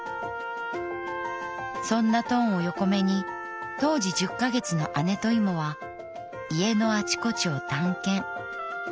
そんなトンを横目に当時１０ヶ月のアネとイモは家のあちこちを探検。